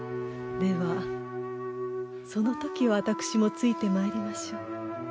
ではその時私もついてまいりましょう。